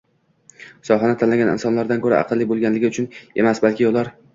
sohani tanlagan insonlardan ko‘ra aqlli bo‘lganligi uchun emas, balki, ular